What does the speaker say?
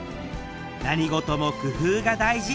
何事も工夫が大事！